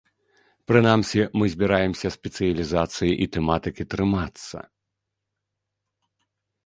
Прынамсі мы збіраемся спецыялізацыі і тэматыкі трымацца.